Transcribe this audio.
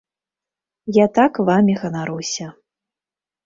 Я так вамі ганаруся.